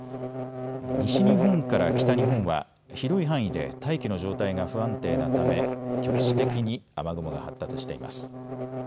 西日本から北日本は広い範囲で大気の状態が不安定なため局地的に雨雲が発達しています。